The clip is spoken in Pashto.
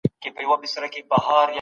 نړيوالي مرستي ډیرې مهمي دي.